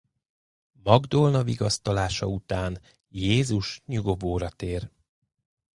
Magdolna vigasztalása után Jézus nyugovóra tér.